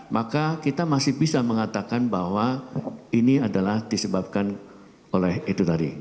maka kita masih bisa mengatakan bahwa ini adalah disebabkan oleh itu tadi